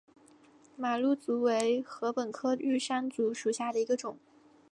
马鹿竹为禾本科玉山竹属下的一个种。